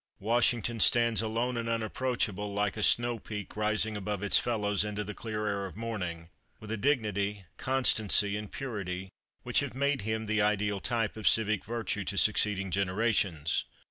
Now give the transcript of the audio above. Washington stands alone and unapproachable, like a snow peak rising above its fellows into the clear air of morning, with a dignity, constancy, and purity which have made him the ideal type of civic virtue to succeeding generations.